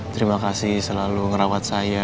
terima kasih selalu ngerawat saya